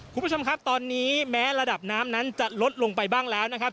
คุณผู้ชมครับตอนนี้แม้ระดับน้ำนั้นจะลดลงไปบ้างแล้วนะครับ